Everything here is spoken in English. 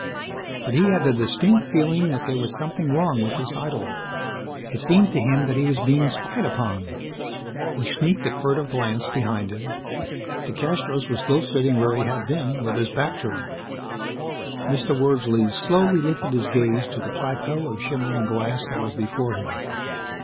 But he had the distinct feeling that there was something wrong with this idyll. It seemed to him that he was being spied upon. He sneaked a furtive glance behind him. DeCastros was still sitting where he had been, with his back to him. Mr. Wordsley slowly lifted his gaze to the plateau of shimmering glass that was before him.